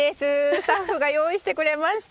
スタッフが用意してくれました。